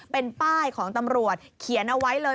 เป็นป้ายของตำรวจเขียนเอาไว้เลย